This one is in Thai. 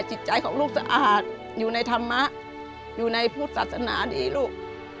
จิตใจของลูกสะอาดอยู่ในธรรมะอยู่ในพุทธศาสนาดีลูก